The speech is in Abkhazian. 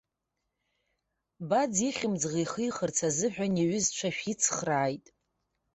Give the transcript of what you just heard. Баӡ ихьымӡӷ ихихырц азыҳәан иҩызцәа шәицхрааит.